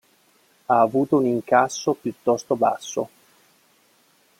Ha avuto un incasso piuttosto basso.